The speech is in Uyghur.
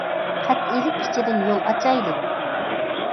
قەتئىيلىك ئىچىدىن يول ئاچايلى.